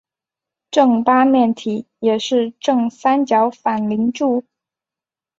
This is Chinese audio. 正八面体也是正三角反棱柱。